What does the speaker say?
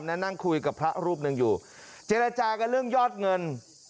นั่งคุยกับพระรูปหนึ่งอยู่เจรจากันเรื่องยอดเงิน